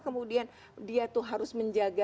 kemudian dia tuh harus menjaga